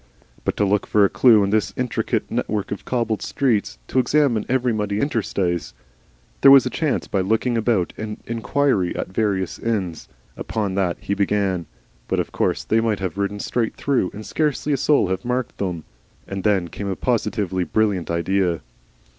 But to look for a clue in this intricate network of cobbled streets, to examine every muddy interstice! There was a chance by looking about and inquiry at the various inns. Upon that he began. But of course they might have ridden straight through and scarcely a soul have marked them. And then came a positively brilliant idea.